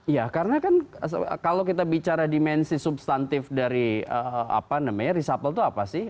ya karena kan kalau kita bicara dimensi substantif dari apa namanya risapel itu apa sih